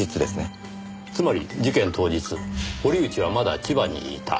つまり事件当日堀内はまだ千葉にいた。